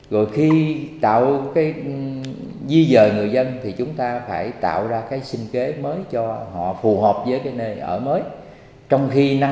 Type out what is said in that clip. rồi khi tạo cái di dời người dân thì chúng ta phải tạo ra một cái hạ tầng đặc biệt là hạ tầng các khu tái định cư để tạo điều kiện cái cuộc sống mới cho người dân